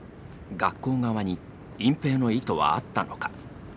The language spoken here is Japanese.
学校側に隠蔽の意図はあったのか。